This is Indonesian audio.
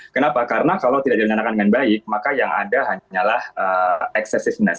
kenapa karena kalau tidak dilaksanakan dengan baik maka yang ada hanyalah excessiveness